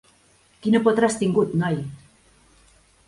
Quina potra has tingut, noi!